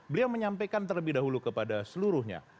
beliau menyampaikan terlebih dahulu kepada seluruhnya